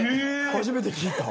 初めて聞いた。